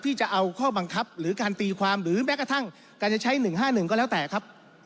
ที่จะเอาข้อบังคับหรือการตีความหรือแม้กระทั่งการจะใช้๑๕๑ก็แล้วแต่ครับ